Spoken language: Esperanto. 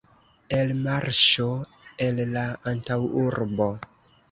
Elmarŝo el la antaŭurbo.